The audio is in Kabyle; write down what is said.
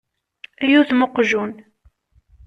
Ay udem uqejjun!